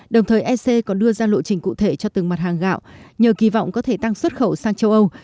đồng thời ec còn đưa ra lộ trình cụ thể cho từng mặt hàng gạo nhờ kỳ vọng có thể tăng xuất khẩu sang châu âu